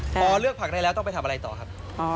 พอเลือกผักได้แล้วต้องไปทำอะไรต่อครับ